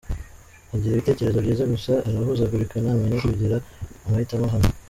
Agira ibitekerezo byiza gusa arahuzagurika ntamenya kugira amahitamo ahamye.